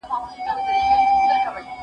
هغه د فکر ازادي منله.